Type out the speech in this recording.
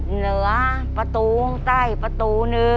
เหนือประตูข้างใต้ประตู๑